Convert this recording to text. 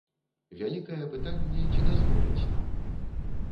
Вялікае пытанне, ці дазволяць нам.